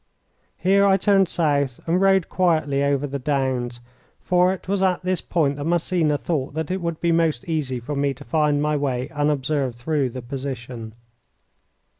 Here I turned south and rode quietly over the downs, for it was at this point that Massena thought that it would be most easy for me to find my way unobserved through the position.